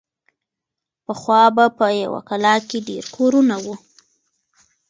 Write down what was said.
پخوا به په یوه کلا کې ډېر کورونه وو.